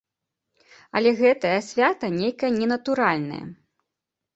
Але гэтае свята нейкае ненатуральнае.